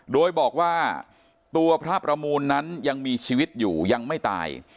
โดยบอกว่าตัวพระประมูลนั้นยังมีชีวิตอยู่ยังไม่ตาย